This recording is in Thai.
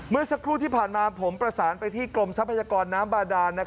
เมื่อสักครู่ที่ผ่านมาผมประสานไปที่กรมทรัพยากรน้ำบาดาน